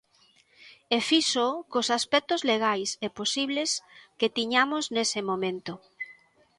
E fíxoo cos aspectos legais e posibles que tiñamos nese momento.